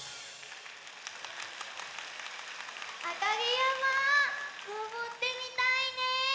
あかぎやまのぼってみたいね。